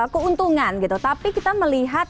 keuntungan tapi kita melihat